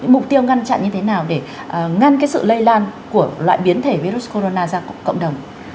mục tiêu ngăn chặn như thế nào để ngăn sự lây lan của loại biến thể virus corona ra cộng đồng